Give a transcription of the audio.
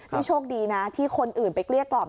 นี่โชคดีนะที่คนอื่นไปเกลี้ยกล่อม